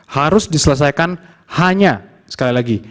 harus diselesaikan hanya sekali lagi